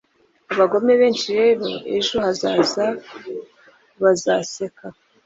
abagome benshi rero ejo hazaza bazaseka